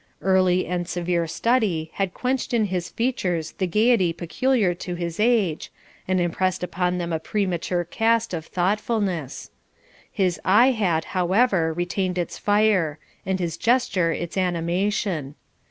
Early and severe study had quenched in his features the gaiety peculiar to his age, and impressed upon them a premature cast of thoughtfulness. His eye had, however, retained its fire, and his gesture its animation.